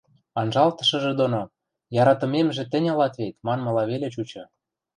Анжалтышыжы доно: «Яратымемжӹ тӹнь ылат вет», – манмыла веле чучы.